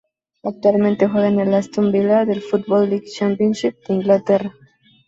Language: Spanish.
Actualmente juega en el Aston Villa del Football League Championship de Inglaterra.